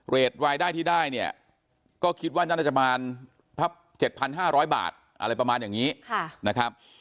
รายได้ที่ได้เนี่ยก็คิดว่าน่าจะประมาณ๗๕๐๐บาทอะไรประมาณอย่างนี้นะครับ